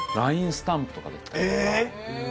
スタンプとかええ